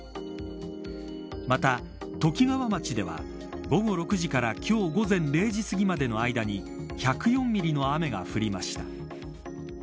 また、ときがわ町では午後６時から今日午前０時すぎまでの間に１０４ミリの雨が降りました。